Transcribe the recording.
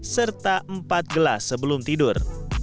serta empat gelas sebelum tidur